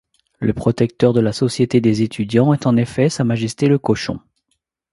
Le protecteur de la société des étudiants est en effet Sa majesté le cochon.